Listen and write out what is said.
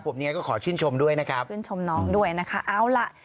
ผมอย่างไรก็ขอชื่นชมด้วยนะครับ